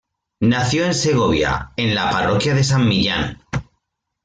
Nació en Segovia, en la parroquia de San Millán.